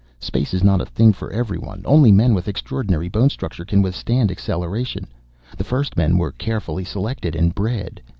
Space is not a thing for everyone; only men with extraordinary bone structure can withstand acceleration. The first men were carefully selected and bred.